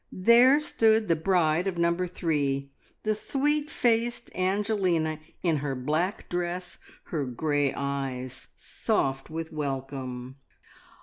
there stood the bride of Number Three, the sweet faced Angelina, in her black dress, her grey eyes soft with welcome.